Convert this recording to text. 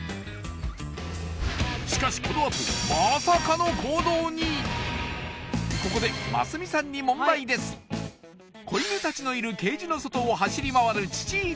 しかしこのあとここで子犬たちのいるケージの外を走り回る父犬